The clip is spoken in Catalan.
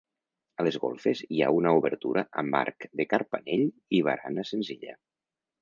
A les golfes hi ha una obertura amb arc de carpanell i barana senzilla.